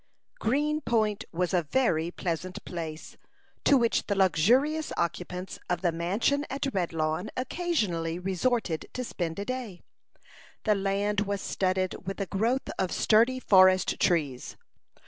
Green Point was a very pleasant place, to which the luxurious occupants of the mansion at Redlawn occasionally resorted to spend a day. The land was studded with a growth of sturdy forest trees.